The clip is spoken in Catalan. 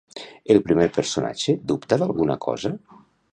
El primer personatge dubta d'alguna cosa?